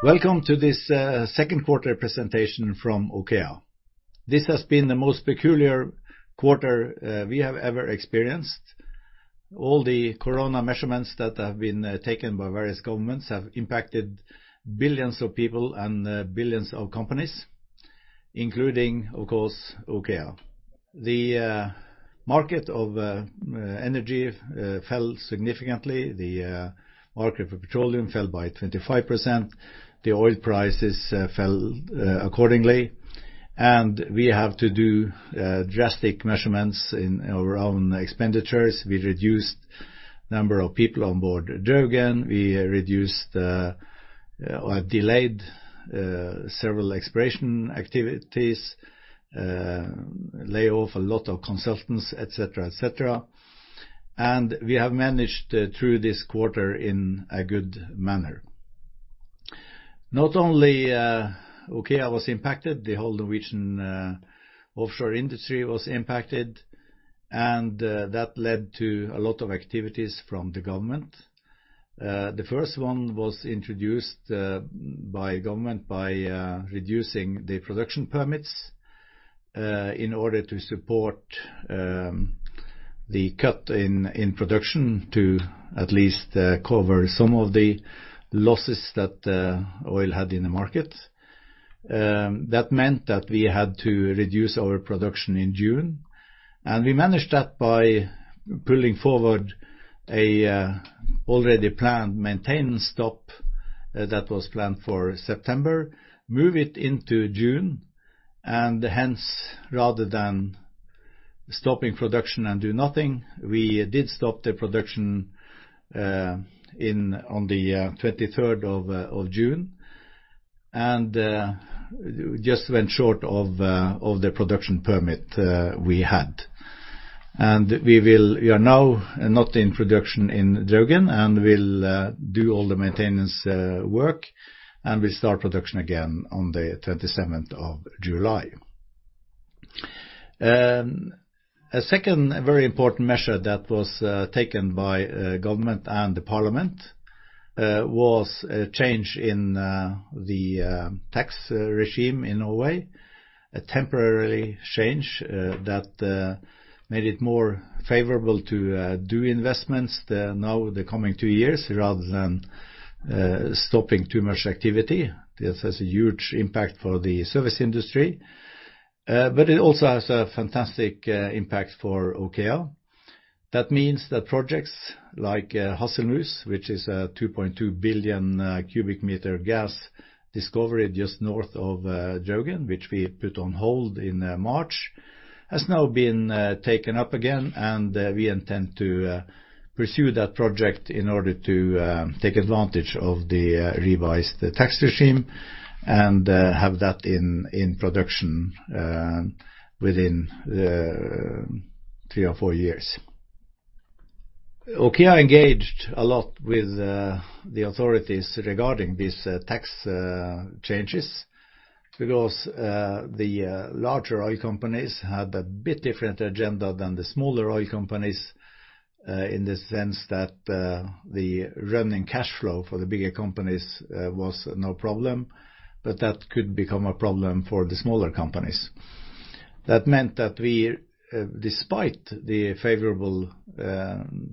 Welcome to this second quarter presentation from OKEA. This has been the most peculiar quarter we have ever experienced. All the corona measurements that have been taken by various governments have impacted billions of people and billions of companies, including, of course, OKEA. The market of energy fell significantly. The market for petroleum fell by 25%. The oil prices fell accordingly, and we have to do drastic measurements in our own expenditures. We reduced number of people on board Draugen. We reduced or have delayed several exploration activities, lay off a lot of consultants, et cetera. We have managed through this quarter in a good manner. Not only OKEA was impacted, the whole Norwegian offshore industry was impacted, and that led to a lot of activities from the government. The first one was introduced by Government by reducing the production permits, in order to support the cut in production to at least cover some of the losses that oil had in the market. That meant that we had to reduce our production in June. We managed that by pulling forward a already planned maintenance stop that was planned for September, move it into June, and hence, rather than stopping production and do nothing, we did stop the production on the 23rd of June. Just went short of the production permit we had. We are now not in production in Draugen and we'll do all the maintenance work, and we start production again on the 27th of July. A second very important measure that was taken by Government and the Parliament, was a change in the tax regime in Norway. A temporary change that made it more favorable to do investments now the coming two years rather than stopping too much activity. This has a huge impact for the service industry, but it also has a fantastic impact for OKEA. That means that projects like Hasselmus, which is a 2.2 billion cubic meter gas discovery just north of Draugen, which we put on hold in March, has now been taken up again and we intend to pursue that project in order to take advantage of the revised tax regime and have that in production within three or four years. OKEA engaged a lot with the authorities regarding these tax changes because the larger oil companies had a bit different agenda than the smaller oil companies, in the sense that the revenue cash flow for the bigger companies was no problem, but that could become a problem for the smaller companies. That meant that we, despite the favorable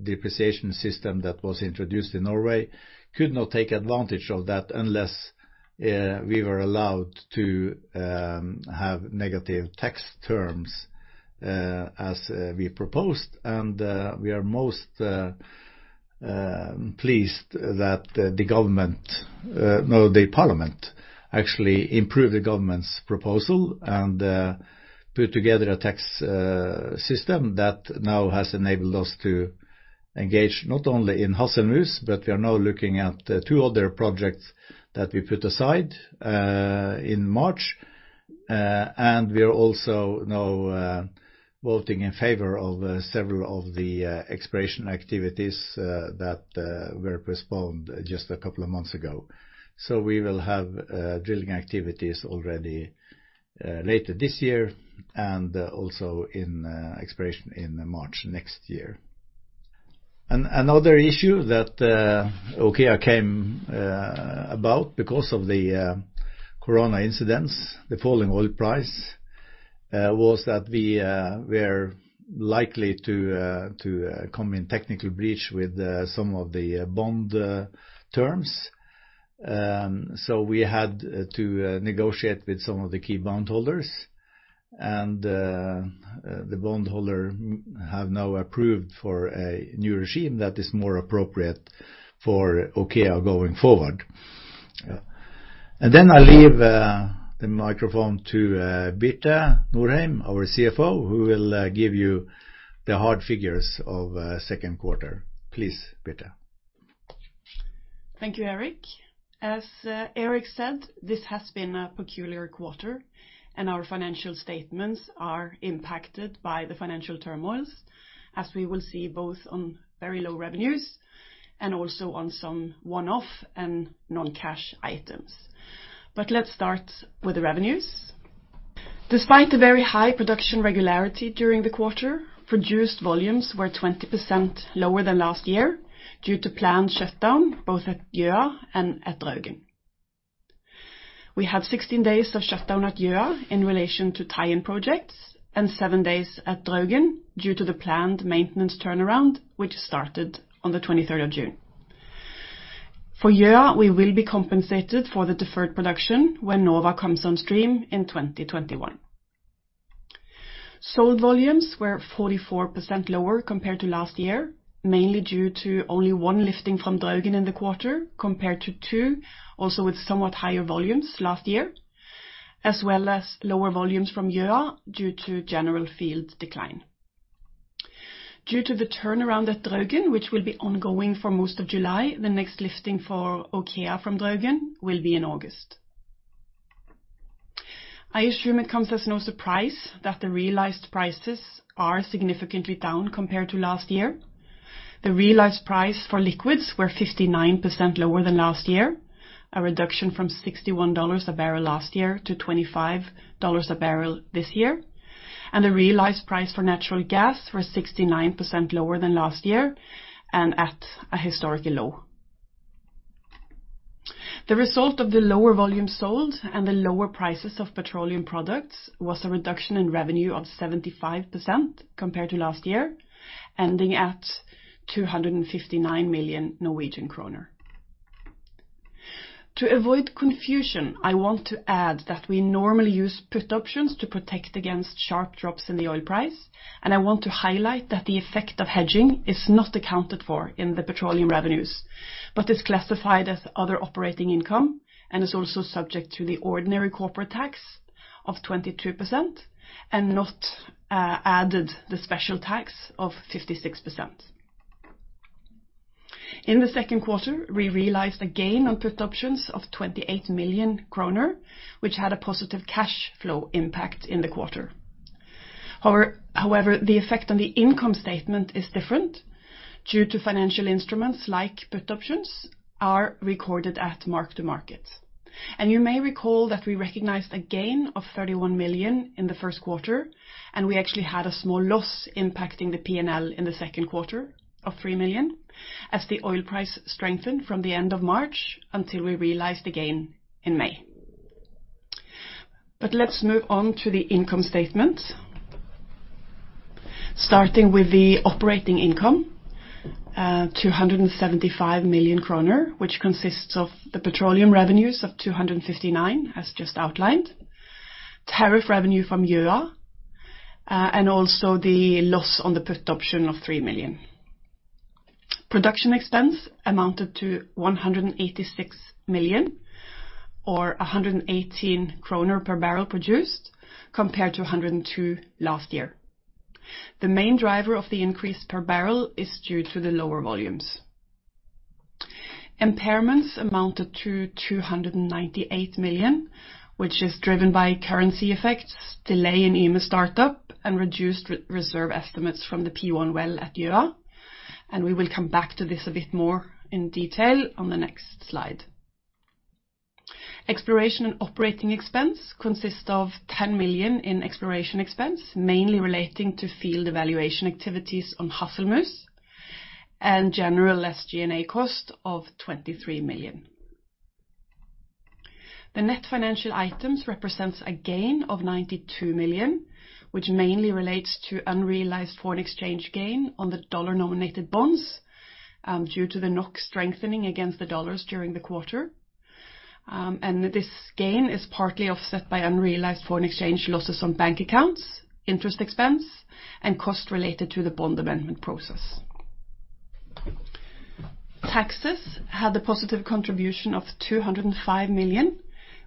depreciation system that was introduced in Norway, could not take advantage of that unless we were allowed to have negative tax terms as we proposed. We are most pleased that the parliament actually improved the government's proposal and put together a tax system that now has enabled us to engage not only in Hasselmus, but we are now looking at two other projects that we put aside in March. We are also now voting in favor of several of the exploration activities that were postponed just a couple of months ago. We will have drilling activities already later this year and also in exploration in March next year. Another issue that OKEA came about because of the corona incidents, the falling oil price, was that we were likely to come in technical breach with some of the bond terms. We had to negotiate with some of the key bond holders, and the bond holder have now approved for a new regime that is more appropriate for OKEA going forward. I leave the microphone to Birte Norheim, our CFO, who will give you the hard figures of second quarter. Please, Birte. Thank you, Erik. As Erik said, this has been a peculiar quarter, and our financial statements are impacted by the financial turmoils, as we will see, both on very low revenues and also on some one-off and non-cash items. Let's start with the revenues. Despite the very high production regularity during the quarter, produced volumes were 20% lower than last year due to planned shutdown, both at Gjøa and at Draugen. We had 16 days of shutdown at Gjøa in relation to tie-in projects, and seven days at Draugen due to the planned maintenance turnaround, which started on the 23rd of June. For Gjøa, we will be compensated for the deferred production when Nova comes on stream in 2021. Sold volumes were 44% lower compared to last year, mainly due to only one lifting from Draugen in the quarter compared to two, also with somewhat higher volumes last year, as well as lower volumes from Gjøa due to general field decline. Due to the turnaround at Draugen, which will be ongoing for most of July, the next lifting for OKEA from Draugen will be in August. I assume it comes as no surprise that the realized prices are significantly down compared to last year. The realized price for liquids were 59% lower than last year, a reduction from $61 a barrel last year to $25 a barrel this year. The realized price for natural gas were 69% lower than last year and at a historical low. The result of the lower volume sold and the lower prices of petroleum products was a reduction in revenue of 75% compared to last year, ending at NOK 259 million. To avoid confusion, I want to add that we normally use put options to protect against sharp drops in the oil price, and I want to highlight that the effect of hedging is not accounted for in the petroleum revenues, but is classified as other operating income and is also subject to the ordinary corporate tax of 22% and not added the special tax of 56%. In the second quarter, we realized a gain on put options of 28 million kroner, which had a positive cash flow impact in the quarter. However, the effect on the income statement is different due to financial instruments like put options are recorded at mark to market. You may recall that we recognized a gain of 31 million in the first quarter, and we actually had a small loss impacting the P&L in the second quarter of 3 million, as the oil price strengthened from the end of March until we realized the gain in May. Let's move on to the income statement. Starting with the operating income, 275 million kroner, which consists of the petroleum revenues of 259 million, as just outlined, tariff revenue from Gjøa, and also the loss on the put option of 3 million. Production expense amounted to 186 million, or 118 kroner per barrel produced compared to 102 last year. The main driver of the increase per barrel is due to the lower volumes. Impairments amounted to 298 million, which is driven by currency effects, delay in Yme startup, and reduced reserve estimates from the P1 well at Gjøa. We will come back to this a bit more in detail on the next slide. Exploration and operating expense consists of 10 million in exploration expense, mainly relating to field evaluation activities on Hasselmus and general SG&A cost of 23 million. The net financial items represents a gain of 92 million, which mainly relates to unrealized foreign exchange gain on the dollar-denominated bonds due to the NOK strengthening against the U.S. dollar during the quarter. This gain is partly offset by unrealized foreign exchange losses on bank accounts, interest expense, and cost related to the bond amendment process. Taxes had a positive contribution of 205 million,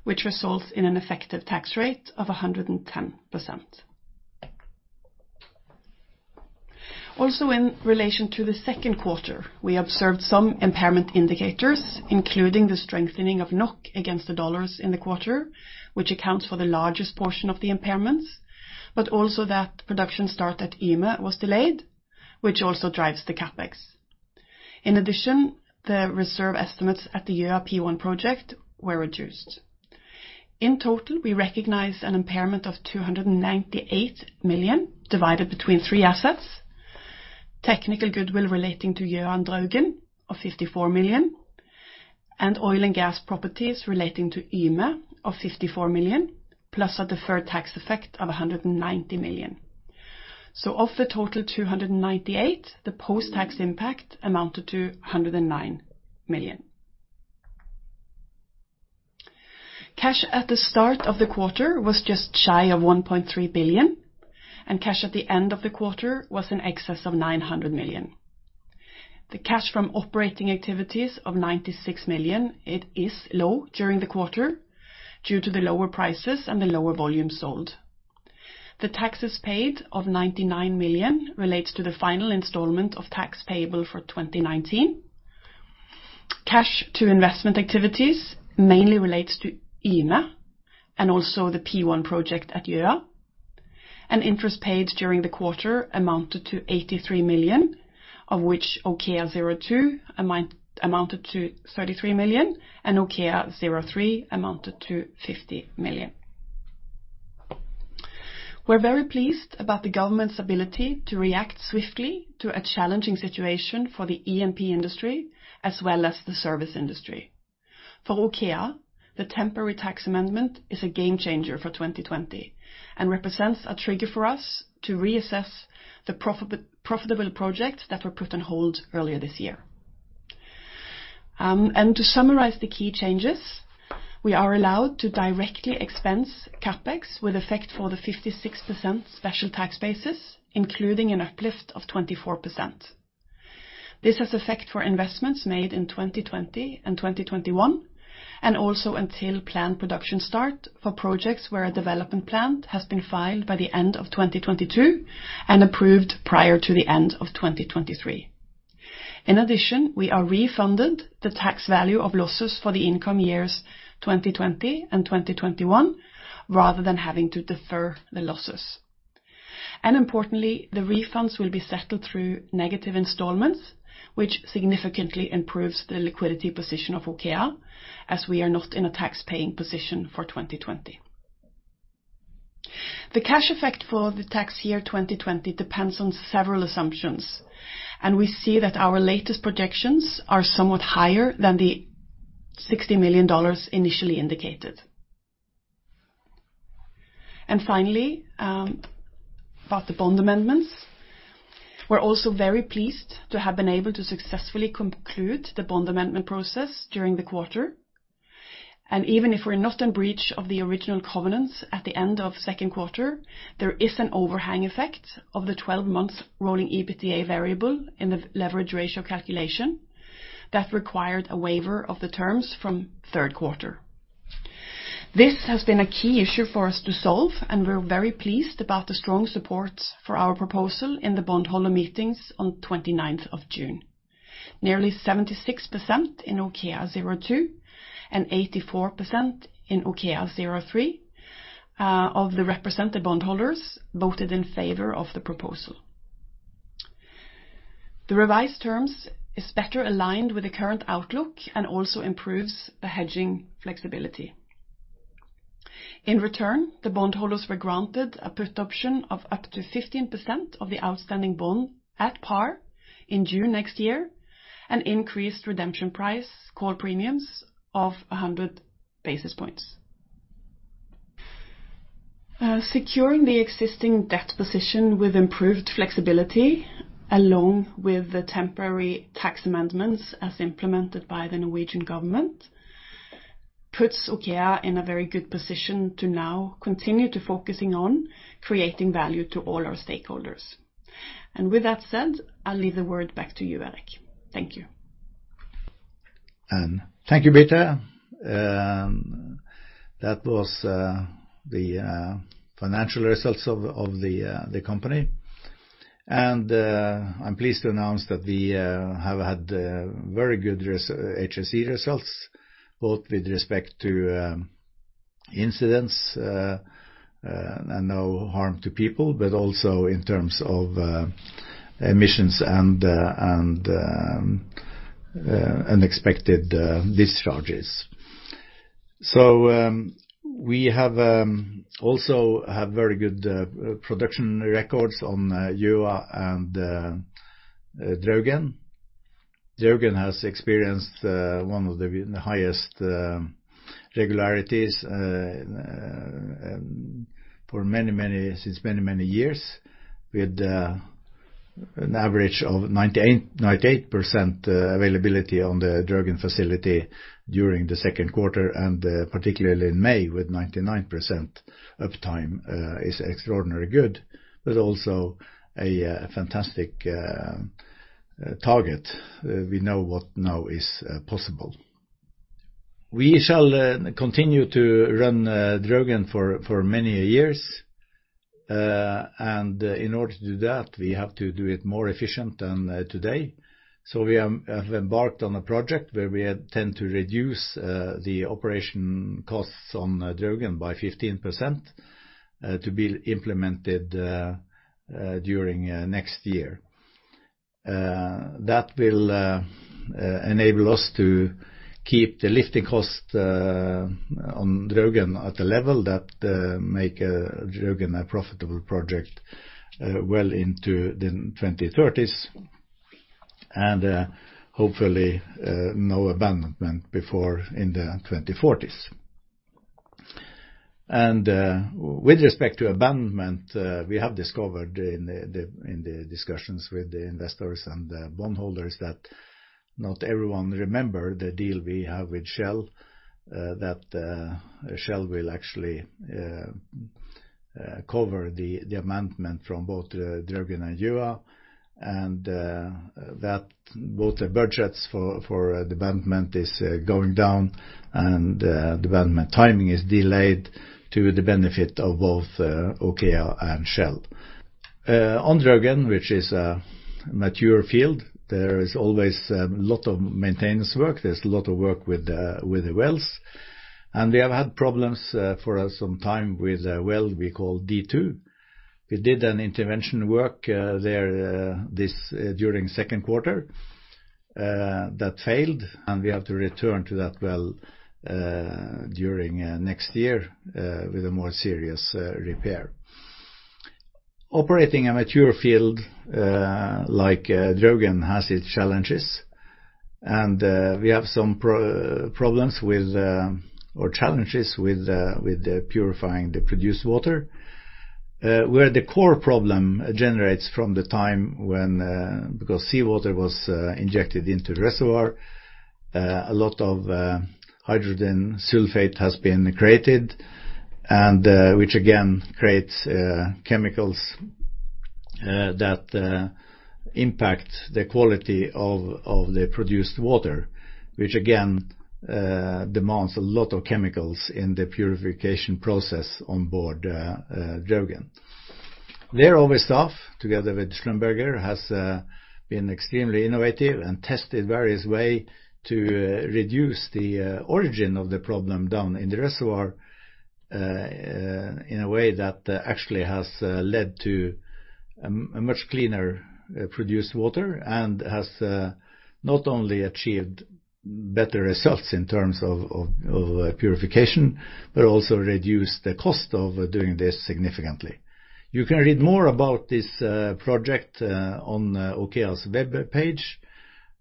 which results in an effective tax rate of 110%. In relation to the second quarter, we observed some impairment indicators, including the strengthening of NOK against the USD in the quarter, which accounts for the largest portion of the impairments, but also that production start at Yme was delayed, which also drives the CapEx. The reserve estimates at the Gjøa P1 project were reduced. We recognize an impairment of 298 million divided between three assets. Technical goodwill relating to Gjøa and Draugen of 54 million, and oil and gas properties relating to Yme of 54 million, plus a deferred tax effect of 190 million. Of the total 298, the post-tax impact amounted to 109 million. Cash at the start of the quarter was just shy of 1.3 billion, and cash at the end of the quarter was in excess of 900 million. The cash from operating activities of 96 million, it is low during the quarter due to the lower prices and the lower volume sold. The taxes paid of 99 million relates to the final installment of tax payable for 2019. Cash to investment activities mainly relates to Yme and also the P1 project at Gjøa. Interest paid during the quarter amounted to 83 million, of which OKEA02 amounted to 33 million and OKEA03 amounted to 50 million. We're very pleased about the government's ability to react swiftly to a challenging situation for the E&P industry as well as the service industry. For OKEA, the temporary tax amendment is a game changer for 2020 and represents a trigger for us to reassess the profitable projects that were put on hold earlier this year. To summarize the key changes, we are allowed to directly expense CapEx with effect for the 56% special tax basis, including an uplift of 24%. This has effect for investments made in 2020 and 2021, and also until planned production start for projects where a development plan has been filed by the end of 2022 and approved prior to the end of 2023. In addition, we are refunded the tax value of losses for the income years 2020 and 2021, rather than having to defer the losses. Importantly, the refunds will be settled through negative installments, which significantly improves the liquidity position of OKEA, as we are not in a tax-paying position for 2020. The cash effect for the tax year 2020 depends on several assumptions, and we see that our latest projections are somewhat higher than the $60 million initially indicated. Finally, about the bond amendments. We're also very pleased to have been able to successfully conclude the bond amendment process during the quarter. Even if we're not in breach of the original covenants at the end of second quarter, there is an overhang effect of the 12-month rolling EBITDA variable in the leverage ratio calculation that required a waiver of the terms from third quarter. This has been a key issue for us to solve, and we're very pleased about the strong support for our proposal in the bondholder meetings on 29th of June. Nearly 76% in OKEA 02 and 84% in OKEA 03 of the represented bondholders voted in favor of the proposal. The revised terms is better aligned with the current outlook and also improves the hedging flexibility. In return, the bondholders were granted a put option of up to 15% of the outstanding bond at par in June next year, an increased redemption price, call premiums of 100 basis points. Securing the existing debt position with improved flexibility, along with the temporary tax amendments as implemented by the Norwegian government, puts OKEA in a very good position to now continue to focusing on creating value to all our stakeholders. With that said, I'll leave the word back to you, Erik. Thank you. Thank you, Birte. That was the financial results of the company. I'm pleased to announce that we have had very good HSE results, both with respect to incidents and no harm to people, but also in terms of emissions and unexpected discharges. We have also have very good production records on Yme and Draugen. Draugen has experienced one of the highest regularities since many years with an average of 98% availability on the Draugen facility during the second quarter, and particularly in May with 99% uptime is extraordinarily good, but also a fantastic target. We know what now is possible. We shall continue to run Draugen for many years. In order to do that, we have to do it more efficient than today. We have embarked on a project where we intend to reduce the operation costs on Draugen by 15% to be implemented during next year. That will enable us to keep the lifting cost on Draugen at a level that make Draugen a profitable project well into the 2030s, and hopefully no abandonment before in the 2040s. With respect to abandonment, we have discovered in the discussions with the investors and the bondholders that not everyone remember the deal we have with Shell, that Shell will actually cover the abandonment from both Draugen and Yme, and that both the budgets for abandonment is going down and abandonment timing is delayed to the benefit of both OKEA and Shell. On Draugen, which is a mature field, there is always a lot of maintenance work. There's a lot of work with the wells. We have had problems for some time with a well we call D2. We did intervention work there during Q2 that failed. We have to return to that well during next year with a more serious repair. Operating a mature field like Draugen has its challenges. We have some problems with or challenges with purifying the produced water, where the core problem generates from the time when, because seawater was injected into the reservoir, a lot of hydrogen sulfide has been created, which again creates chemicals that impact the quality of the produced water, which again demands a lot of chemicals in the purification process on board Draugen. There our staff, together with Schlumberger, has been extremely innovative and tested various way to reduce the origin of the problem down in the reservoir in a way that actually has led to a much cleaner produced water and has not only achieved better results in terms of purification but also reduced the cost of doing this significantly. You can read more about this project on OKEA's webpage.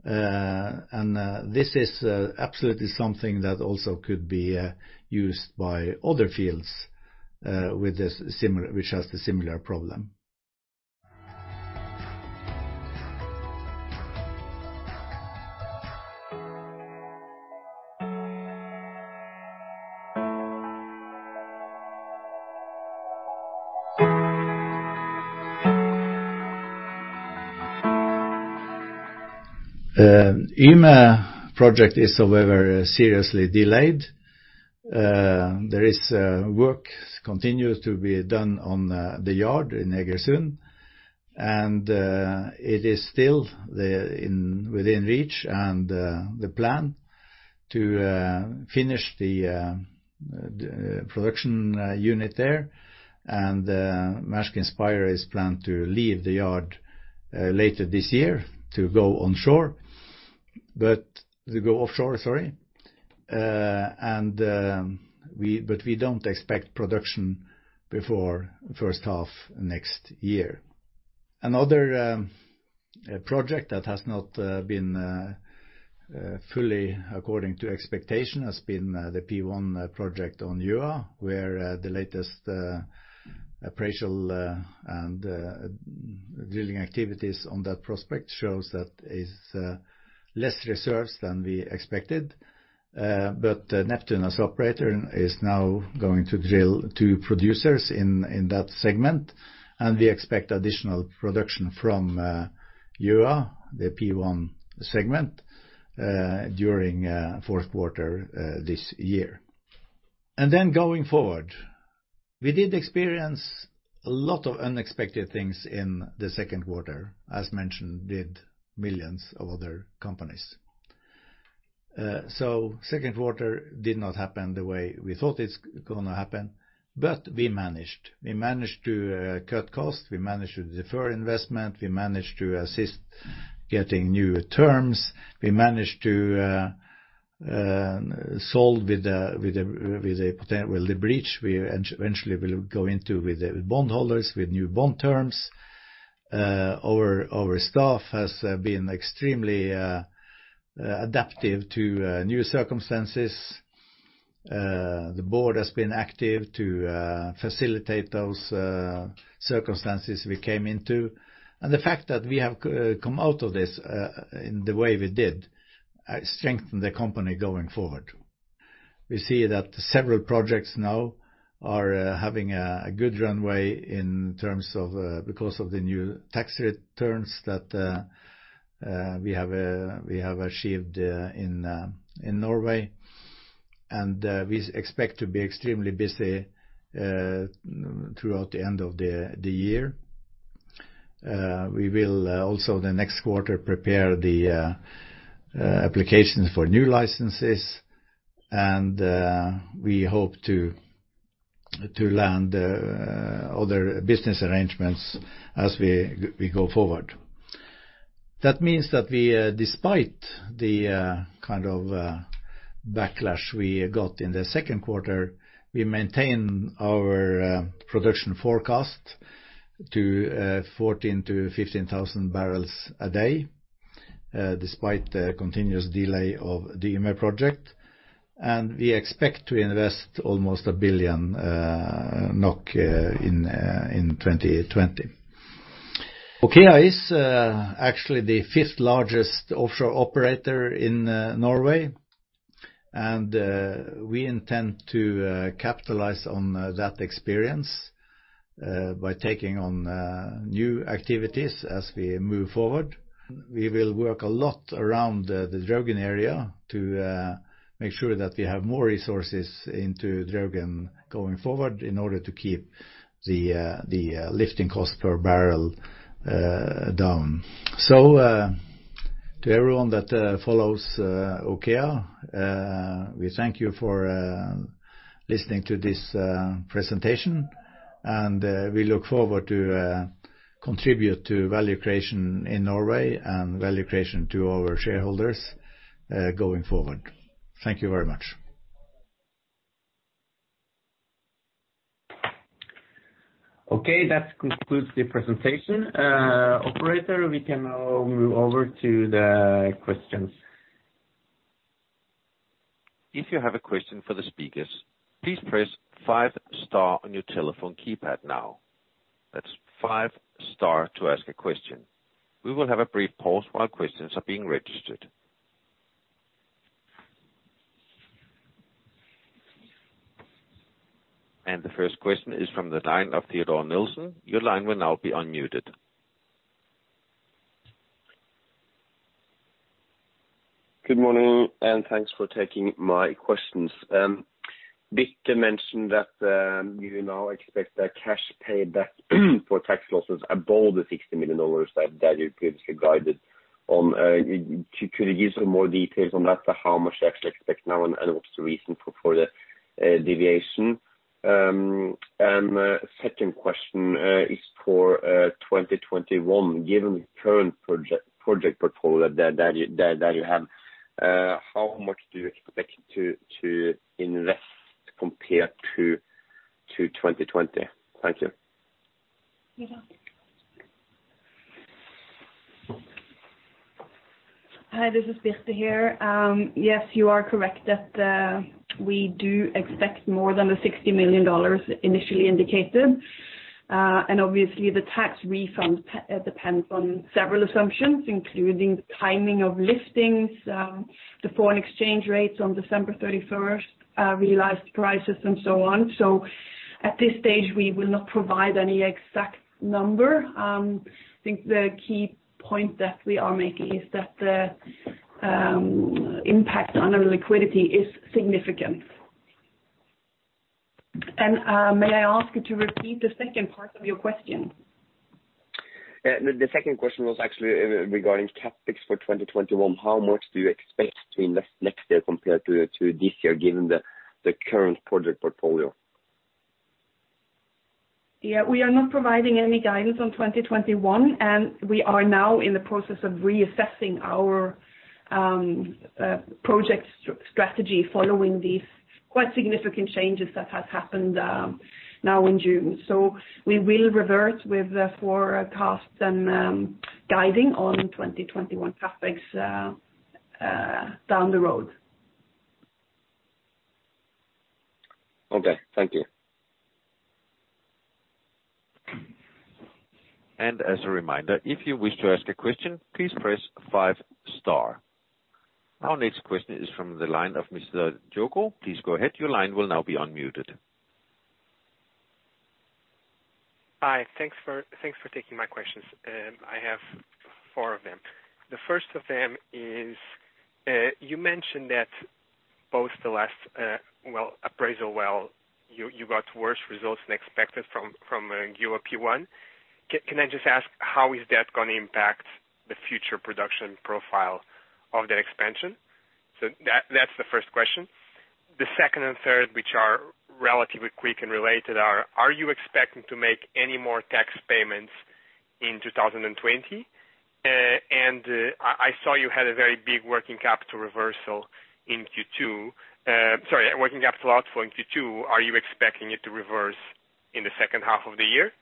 This is absolutely something that also could be used by other fields which has the similar problem. Yme project is, however, seriously delayed. There is work continues to be done on the yard in Egersund, and it is still within reach and the plan to finish the production unit there and Maersk Inspirer is planned to leave the yard later this year to go offshore, sorry. We don't expect production before first half next year. Neptune Energy operator is now going to drill two producers in that segment, and we expect additional production from Yme, the P1 segment, during Q4 this year. Going forward, we did experience a lot of unexpected things in Q2, as mentioned, did millions of other companies. Q2 did not happen the way we thought it's going to happen, but we managed. We managed to cut costs, we managed to defer investment, we managed to assist getting new terms. We managed to settle with the breach. We eventually will go into with the bondholders with new bond terms. Our staff has been extremely adaptive to new circumstances. The board has been active to facilitate those circumstances we came into. The fact that we have come out of this in the way we did strengthen the company going forward. We see that several projects now are having a good runway because of the new tax returns that we have achieved in Norway. We expect to be extremely busy throughout the end of the year. We will also the next quarter prepare the applications for new licenses, and we hope to land other business arrangements as we go forward. That means that despite the kind of backlash we got in Q2, we maintain our production forecast to 14,000-15,000 barrels a day, despite the continuous delay of the Yme project. We expect to invest almost 1 billion NOK in 2020. OKEA is actually the fifth largest offshore operator in Norway, and we intend to capitalize on that experience by taking on new activities as we move forward. We will work a lot around the Draugen area to make sure that we have more resources into Draugen going forward in order to keep the lifting cost per barrel down. To everyone that follows OKEA, we thank you for listening to this presentation, and we look forward to contribute to value creation in Norway and value creation to our shareholders going forward. Thank you very much. Okay. That concludes the presentation. Operator, we can now move over to the questions. If you have a question for the speakers, please press *5 on your telephone keypad now. That's *5 to ask a question. We will have a brief pause while questions are being registered. The first question is from the line of Teodor Nilsen. Your line will now be unmuted. Good morning, and thanks for taking my questions. Birte mentioned that you now expect the cash paid back for tax losses above the NOK 60 million that you previously guided on. Could you give some more details on that, how much you actually expect now, and what's the reason for the deviation? Second question is for 2021, given current project portfolio that you have, how much do you expect to invest compared to 2020? Thank you. Hi, this is Birte here. Yes, you are correct that we do expect more than the NOK 60 million initially indicated. Obviously the tax refund depends on several assumptions, including the timing of listings, the foreign exchange rates on December 31st, realized prices and so on. At this stage, we will not provide any exact number. I think the key point that we are making is that the impact on our liquidity is significant. May I ask you to repeat the second part of your question? The second question was actually regarding CapEx for 2021. How much do you expect to invest next year compared to this year, given the current project portfolio? Yeah. We are not providing any guidance on 2021, and we are now in the process of reassessing our project strategy following these quite significant changes that have happened now in June. We will revert with the forecast and guiding on 2021 CapEx down the road. Okay. Thank you. As a reminder, if you wish to ask a question, please press *5. Our next question is from the line of Mr. Diogo. Please go ahead. Your line will now be unmuted. Hi. Thanks for taking my questions. I have four of them. The first of them is, you mentioned that both the last appraisal well, you got worse results than expected from Gjøa P1. Can I just ask, how is that going to impact the future production profile of that expansion? That's the first question. The second and third, which are relatively quick and related, are you expecting to make any more tax payments in 2020? I saw you had a very big working capital reversal in Q2. Sorry, working capital outflow in Q2. Are you expecting it to reverse in the second half of the year?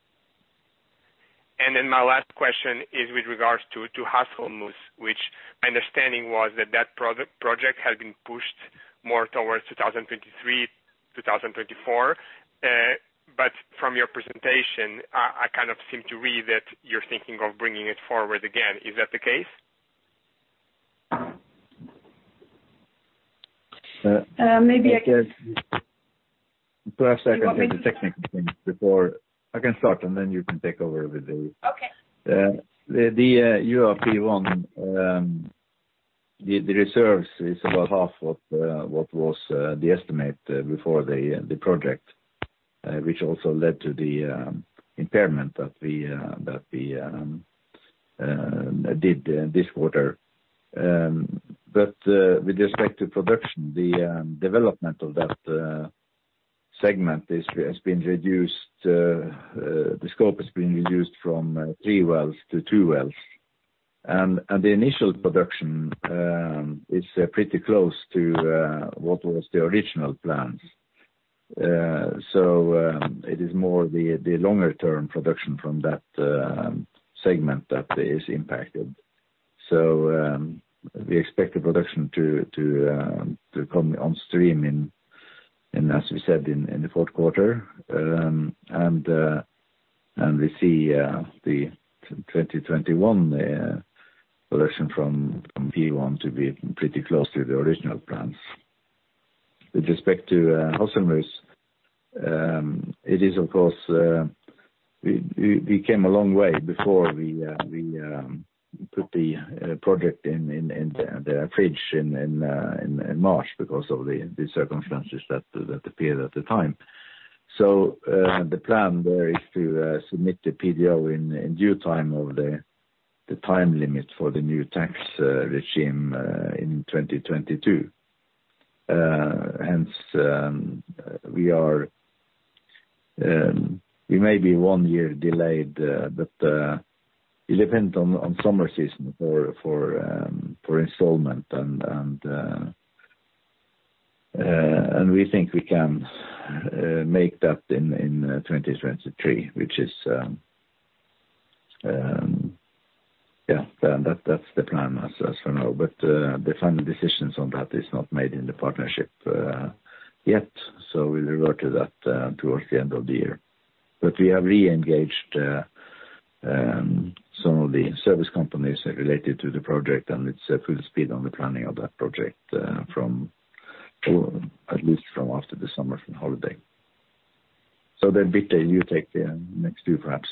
My last question is with regards to Hasselmus, which my understanding was that project had been pushed more towards 2023, 2024. From your presentation, I kind of seem to read that you're thinking of bringing it forward again. Is that the case? Maybe I can- Perhaps I can take the technical things before I can start, and then you can take over. Okay. The Gjøa P1, the reserves is about half of what was the estimate before the project, which also led to the impairment that we did this quarter. With respect to production, the development of that segment has been reduced. The scope has been reduced from three wells to two wells. The initial production is pretty close to what was the original plans. It is more the longer-term production from that segment that is impacted. We expect the production to come on stream in, as we said, in the fourth quarter. We see the 2021 production from P1 to be pretty close to the original plans. With respect to Hasselmus, we came a long way before we put the project in the fridge in March because of the circumstances that appeared at the time. The plan there is to submit the PDO in due time of the time limit for the new tax regime in 2022. Hence, we may be one year delayed, but it will depend on summer season for installment and we think we can make that in 2023. That's the plan as for now, but the final decisions on that is not made in the partnership yet, so we'll revert to that towards the end of the year. We have re-engaged some of the service companies related to the project, and it's full speed on the planning of that project at least from after the summer holiday. Birte, you take the next few perhaps.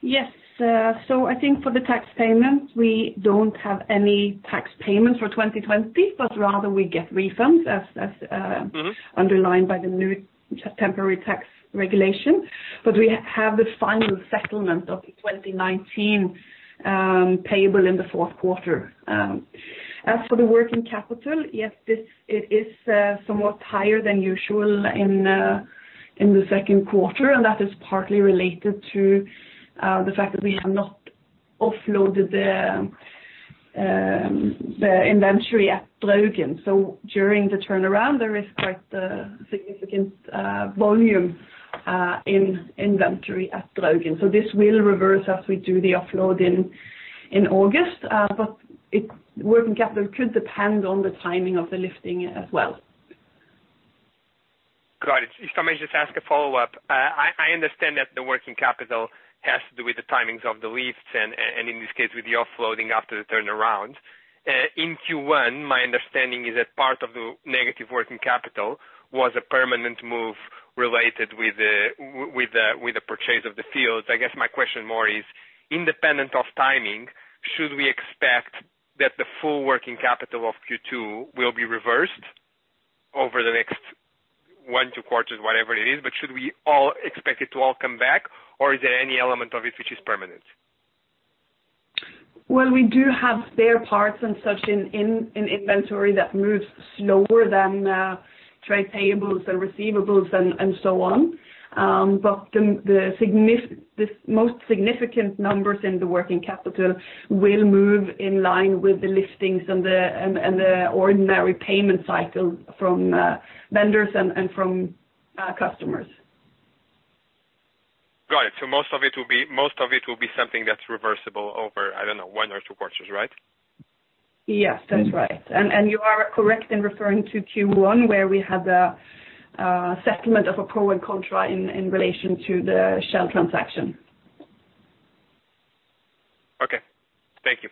Yes. I think for the tax payment, we don't have any tax payments for 2020, but rather we get refunds as underlined by the new temporary tax regulation. We have the final settlement of the 2019 payable in the fourth quarter. As for the working capital, yes, it is somewhat higher than usual in the second quarter, and that is partly related to the fact that we have not offloaded the inventory at Draugen. During the turnaround, there is quite a significant volume in inventory at Draugen. Working capital could depend on the timing of the lifting as well. Got it. If I may just ask a follow-up. I understand that the working capital has to do with the timings of the lifts and, in this case, with the offloading after the turnaround. In Q1, my understanding is that part of the negative working capital was a permanent move related with the purchase of the fields. I guess my question more is independent of timing, should we expect that the full working capital of Q2 will be reversed over the next one, two quarters, whatever it is, but should we all expect it to all come back or is there any element of it which is permanent? Well, we do have spare parts and such in inventory that moves slower than trade payables and receivables and so on. The most significant numbers in the working capital will move in line with the liftings and the ordinary payment cycle from vendors and from customers. Got it. Most of it will be something that's reversible over, I don't know, one or two quarters, right? Yes, that's right. You are correct in referring to Q1 where we had the settlement of a pro et contra in relation to the Shell transaction. Okay. Thank you.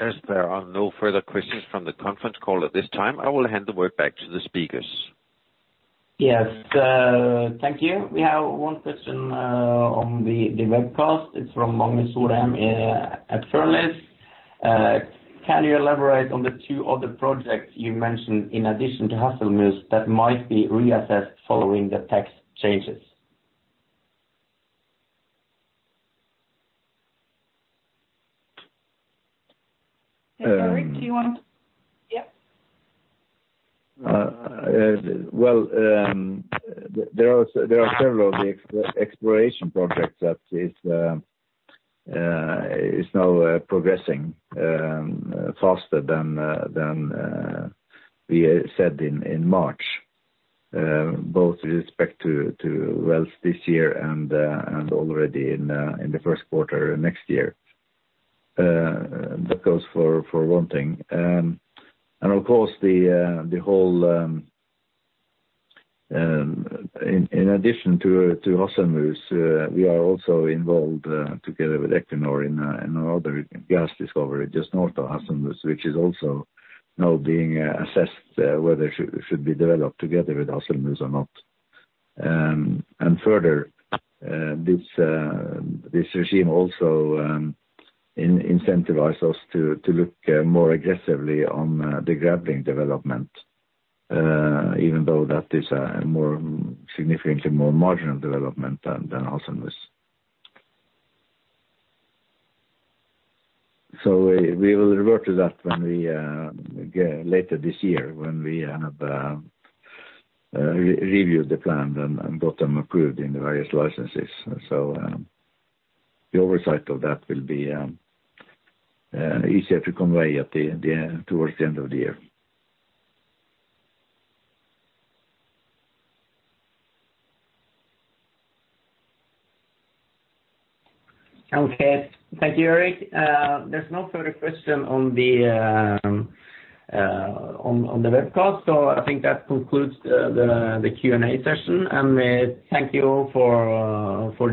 As there are no further questions from the conference call at this time, I will hand the word back to the speakers. Yes, thank you. We have one question on the webcast. It's from Magnus Søreide at Fearnleys. Can you elaborate on the two other projects you mentioned in addition to Hasselmus that might be reassessed following the tax changes? Sorry, do you want? Yep. Well, there are several of the exploration projects that is now progressing faster than we said in March both with respect to wells this year and already in the first quarter next year. That goes for one thing. Of course, in addition to Hasselmus, we are also involved together with Equinor in another gas discovery just north of Hasselmus which is also now being assessed whether it should be developed together with Hasselmus or not. Further this regime also incentivize us to look more aggressively on the Grevling development even though that is a more significantly more marginal development than Hasselmus. We will revert to that later this year when we have reviewed the plan and got them approved in the various licenses. The oversight of that will be easier to convey towards the end of the year. Okay. Thank you, Erik. There's no further question on the webcast, so I think that concludes the Q&A session, and thank you for listening.